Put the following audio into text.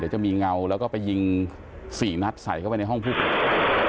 เดี๋ยวจะมีเงาแล้วก็ไปยิง๔นัดใส่เข้าไปในห้องผู้ป่วย